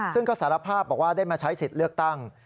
ซึ่งก็สารภาพบอกว่าได้มาใช้สิทธิ์เลือกตั้ง